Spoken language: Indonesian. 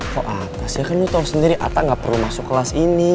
kok atas ya kan lo tau sendiri ata gak perlu masuk kelas ini